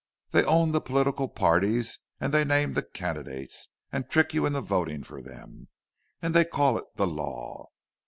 They own the political parties, and they name the candidates, and trick you into voting for them—and they call it the law!